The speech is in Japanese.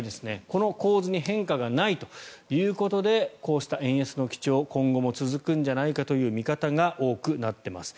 この構図に変化がないということでこうした円安の基調は今後も続くんじゃないかという見方が多くなっています。